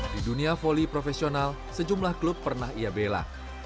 di dunia volley profesional sejumlah klub pernah ia bela